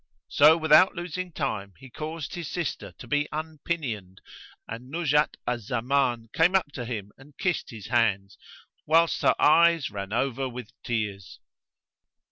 So without losing time he caused his sister to be unpinioned, and Nuzhat al Zaman came up to him and kissed his hands, whilst her eves ran over with tears.